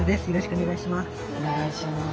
お願いします。